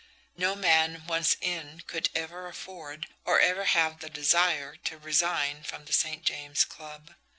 No man, once in, could ever afford, or ever had the desire, to resign from the St. James Club.